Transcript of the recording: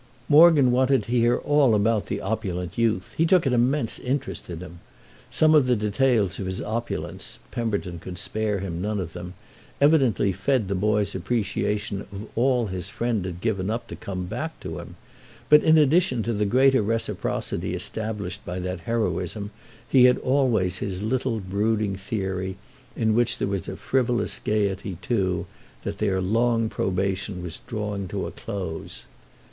Morgan wanted to hear all about the opulent youth—he took an immense interest in him. Some of the details of his opulence—Pemberton could spare him none of them—evidently fed the boy's appreciation of all his friend had given up to come back to him; but in addition to the greater reciprocity established by that heroism he had always his little brooding theory, in which there was a frivolous gaiety too, that their long probation was drawing to a close.